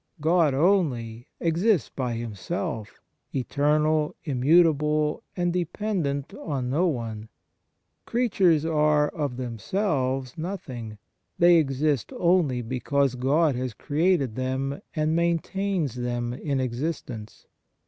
God only exists by Himself eternal, immutable, and dependent on no one. Creatures are of themselves nothing ; they exist only because God has created them and maintains them in existence.